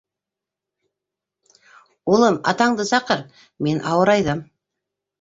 Улым, атанды саҡыр, мин ауырайҙым.